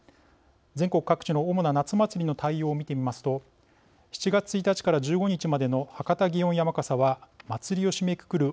全国各地の主な夏祭りの対応を見てみますと７月１日から１５日までの博多祇園山笠は祭りを締めくくる